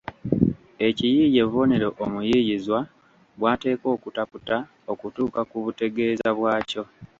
Ekiyiiye bubonero omuyiiyizwa bw’ateekwa okutaputa okutuuka ku butegeeza bwakyo